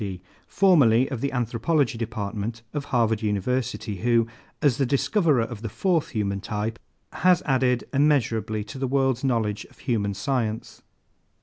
D., formerly of the Anthropology Department of Harvard University, who, as the discoverer of the fourth human type, has added immeasurably to the world's knowledge of human science.